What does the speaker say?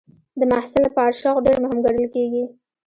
د محصل لپاره شوق ډېر مهم ګڼل کېږي.